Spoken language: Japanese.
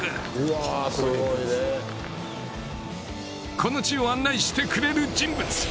この地を案内してくれる人物